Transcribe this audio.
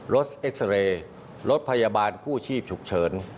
เอ็กซาเรย์รถพยาบาลกู้ชีพฉุกเฉิน